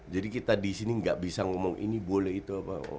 jadi kita disini gak bisa ngomong ini boleh itu apa